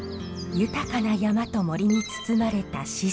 豊かな山と森に包まれた宍粟。